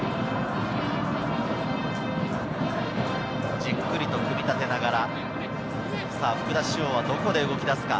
じっくりと組み立てながら、福田師王はどこで動きだすか。